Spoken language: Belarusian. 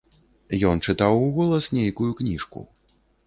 Ён чытаў уголас нейкую кніжку.